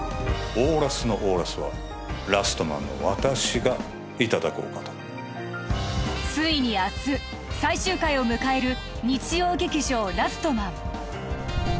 オーラスのオーラスはラストマンの私がいただこうかとついに明日最終回を迎える日曜劇場「ラストマン」